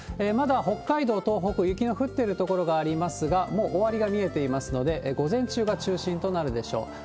まだ北海道、東北、雪の降ってる所がありますが、もう終わりが見えていますので、午前中が中心となるでしょう。